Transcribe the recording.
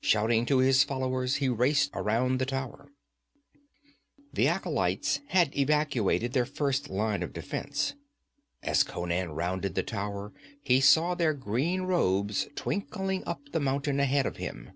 Shouting to his followers, he raced around the tower. The acolytes had evacuated their first line of defence. As Conan rounded the tower he saw their green robes twinkling up the mountain ahead of him.